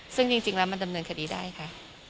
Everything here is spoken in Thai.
ซึ่งจริงแล้วมันดำเนินคดีได้ค่ะ